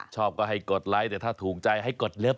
ชอบก็ให้กดไลค์แต่ถ้าถูกใจให้กดเล็บ